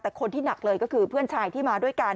แต่คนที่หนักเลยก็คือเพื่อนชายที่มาด้วยกัน